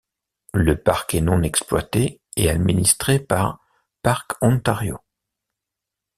Le parc est non exploité et administré par Parcs Ontario.